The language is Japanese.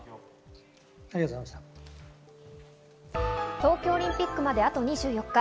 東京オリンピックまであと２４日。